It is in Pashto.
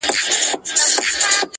نه د پردي نسیم له پرخو سره وغوړېدم،